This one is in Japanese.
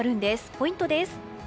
ポイントです。